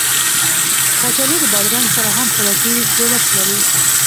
کچالو د بادرنګ سره هم خوراکي جوړښت لري